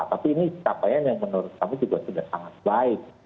tapi ini capaian yang menurut kami juga sudah sangat baik